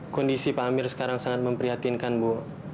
kondisi pak amir sekarang sangat memprihatinkan bu